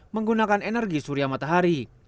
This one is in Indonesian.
menggunakan energi surya matahari